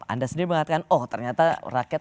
anda sendiri mengatakan oh ternyata rakyat